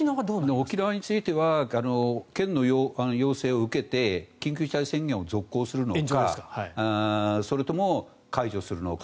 沖縄については県の要請を受けて緊急事態宣言を続行するのかそれとも、解除するのか。